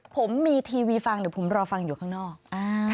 ผมมีทีวีฟังเดี๋ยวผมรอฟังอยู่ข้างนอก